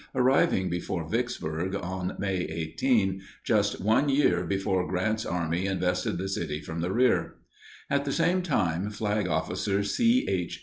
arriving before Vicksburg on May 18, just 1 year before Grant's army invested the city from the rear. At the same time, Flag Officer C. H.